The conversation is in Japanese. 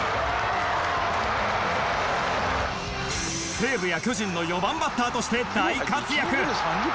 西武や巨人の４番バッターとして大活躍。